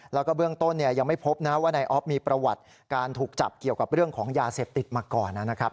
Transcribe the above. แล้วก็เบื้องต้นยังไม่พบนะว่านายอ๊อฟมีประวัติการถูกจับเกี่ยวกับเรื่องของยาเสพติดมาก่อนนะครับ